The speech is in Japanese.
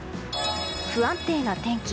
不安定な天気。